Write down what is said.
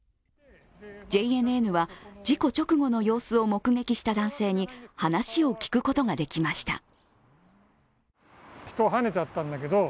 ＪＮＮは事故直後の様子を目撃した男性に話を聞くことができました。